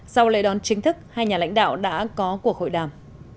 sau lễ đón chính thức hai nhà lãnh đạo đã có cuộc hội đàm